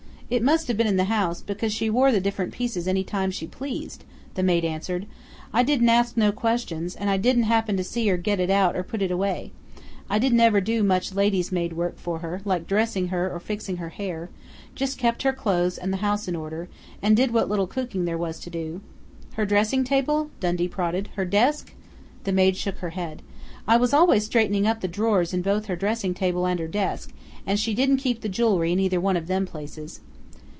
"It must have been in the house, because she wore the different pieces any time she pleased," the maid answered. "I didn't ask no questions, and I didn't happen to see her get it out or put it away. I didn't ever do much lady's maid work for her, like dressing her or fixing her hair just kept her clothes and the house in order, and did what little cooking there was to do " "Her dressing table?" Dundee prodded. "Her desk?" The maid shook her head. "I was always straightening up the drawers in both her dressing table and her desk, and she didn't keep the jewelry in either one of them places."